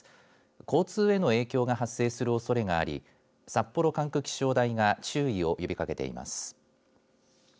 交通への影響が発生するおそれがあり札幌管区気象台が注意を呼びかけています。